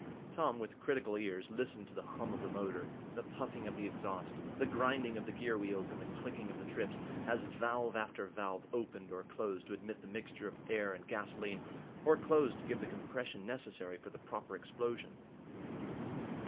Tom, with critical ears, listened to the hum of the motor, the puffing of the exhaust, the grinding of the gear wheels, and the clicking of the trips, as valve after valve opened or closed to admit the mixture of air and gasoline, or closed to give the compression necessary for the proper explosion.